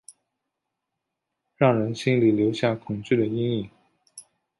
让人心里留下恐惧的阴影